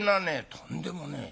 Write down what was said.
「とんでもねえ。